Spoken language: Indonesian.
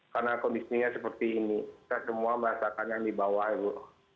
karena kondisinya seperti ini kita semua merasakan yang di bawah ibu